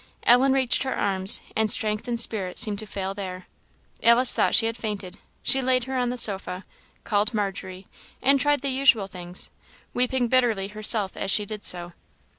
Ellen reached her arms, and strength and spirit seemed to fail there. Alice thought she had fainted; she laid her on the sofa, called Margery, and tried the usual things, weeping bitterly herself as she did so.